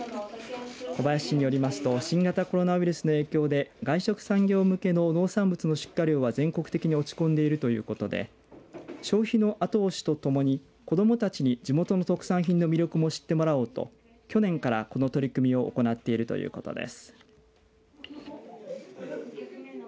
小林市によりますと新型コロナウイルスの影響で外食産業向けの農産物の出荷量は全国的に落ち込んでいるということで消費の後押しとともに子どもたちに地元の特産品の魅力も知ってもらおうと去年から、この取り組みを行っているということです。